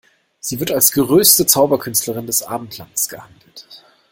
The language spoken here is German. Sie wird als größte Zauberkünstlerin des Abendlandes gehandelt.